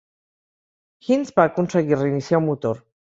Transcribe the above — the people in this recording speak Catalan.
Hines va aconseguir reiniciar un motor.